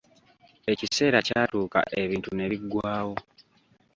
Ekiseera kyatuuka ebintu ne biggwawo.